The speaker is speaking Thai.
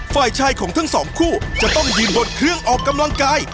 ฝ่ายชายของทั้งสองคู่จะต้องยืนบนเครื่องออกกำลังกาย